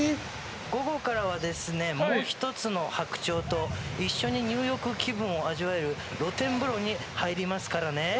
午後からはですね、もう１つの白鳥と一緒に入浴気分を味わえる露天風呂に入りますからね。